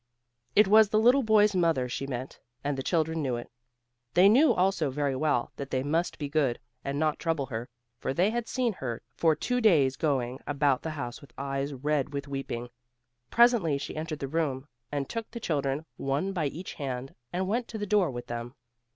It was the little boy's mother she meant, and the children knew it. They knew also very well, that they must be good and not trouble her, for they had seen her for two days going about the house with eyes red with weeping. Presently she entered the room, and took the children one by each hand, and went to the door with them.